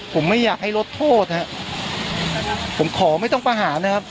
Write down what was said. ผมไม่อยากให้ลดโทษฮะผมขอไม่ต้องประหารนะครับ